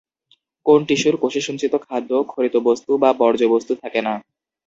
কোন টিস্যুর কোষে সঞ্চিত খাদ্য, ক্ষরিত বস্তু বা বর্জ্যবস্তু থাকে না?